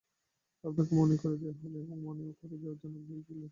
আপনাকে মনে করিয়ে দেয়া হল, এবং মনেও করিয়ে দেওয়ার জন্য আপনি রেগে গেলেন।